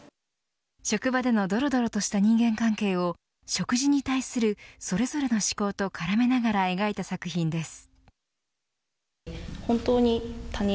職場でのどろどろとした人間関係を食事に対するそれぞれの思考と絡めながら描いた作品です。